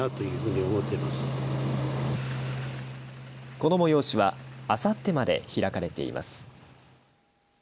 この催しはあさってまで開かれています。